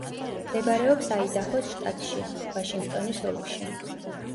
მდებარეობს აიდაჰოს შტატში, ვაშინგტონის ოლქში.